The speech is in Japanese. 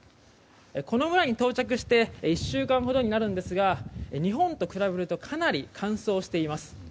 この村に到着して１週間ほどになるんですが日本と比べるとかなり乾燥しています。